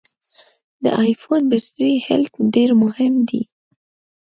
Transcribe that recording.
د ای فون بټري هلټ ډېر مهم دی.